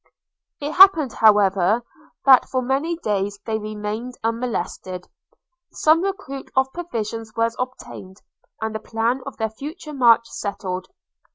It happened, however, that for many days they remained unmolested – some recruit of provisions was obtained, and the plan of their future march settled.